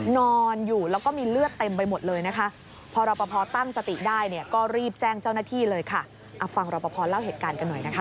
นอนอยู่แล้วก็มีเลือดเต็มไปหมดเลยนะคะพอรอปภตั้งสติได้เนี่ยก็รีบแจ้งเจ้าหน้าที่เลยค่ะเอาฟังรอปภเล่าเหตุการณ์กันหน่อยนะคะ